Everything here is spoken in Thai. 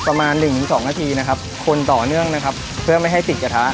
ประมาณหนึ่งถึงสองนาทีนะครับคนต่อเนื่องนะครับเพื่อไม่ให้ติดกระทะ